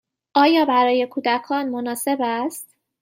آیا برای کودکان مناسب است؟